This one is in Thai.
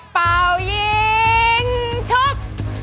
เป่ายิงชก